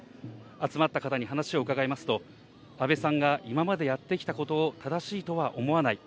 集まった方に話を伺いますと、安倍さんが今までやってきたことを正しいとは思わない。